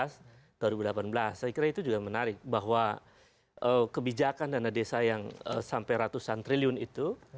saya kira itu juga menarik bahwa kebijakan dana desa yang sampai ratusan triliun itu